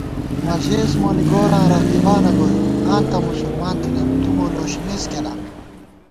مہ ژېس مونی گوراں رقیبانہ گوئی * آں تہ مسلمان تھنَئیم تُو مو لوشِمېس کېنا